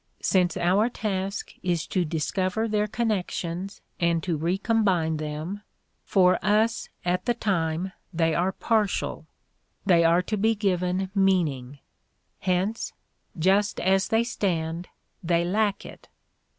Since our task is to discover their connections and to recombine them, for us at the time they are partial. They are to be given meaning; hence, just as they stand, they lack it.